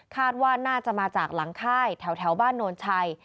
ว่าน่าจะมาจากหลังค่ายแถวบ้านโนนชัย